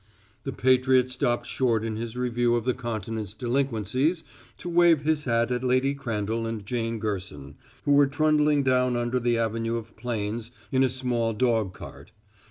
The patriot stopped short in his review of the Continent's delinquencies to wave his hat at Lady Crandall and Jane Gerson, who were trundling down under the avenue of planes in a smart dog cart.